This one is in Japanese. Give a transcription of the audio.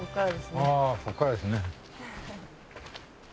あここからですね。